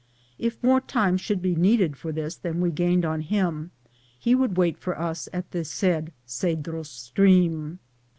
If more time should be needed for this than we gained on him, he would wait for us at the said Cedros stream.